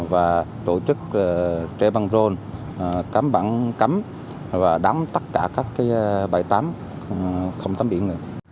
và tổ chức trẻ băng rôn cắm bảng cắm và đám tất cả các bãi tắm không tắm biển